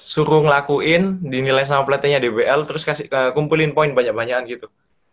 suruh ngelakuin dinilai sama pelatihnya dbl terus kumpulin poin banyak banyakan gitu